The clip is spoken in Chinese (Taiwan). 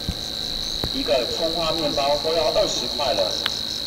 一個蔥花麵包都要二十塊了！